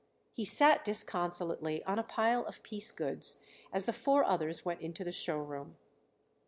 He sat disconsolately on a pile of piece goods as the four others went into the show room.